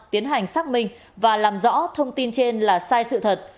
tiến hành xác minh và làm rõ thông tin trên là sai sự thật